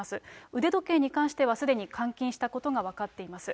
腕時計に関しては、すでに換金したことが分かっています。